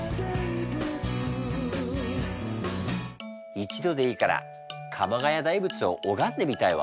一度でいいから鎌ケ谷大仏を拝んでみたいわ。